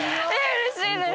うれしいです。